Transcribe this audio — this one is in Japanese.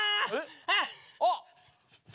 あっ。